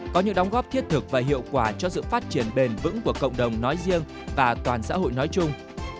có những đóng góp thiết thực và hiệu quả cho sự phát triển bền vững của cộng đồng nói riêng và toàn xã hội nói chung